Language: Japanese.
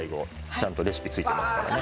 ちゃんとレシピ付いてますからね。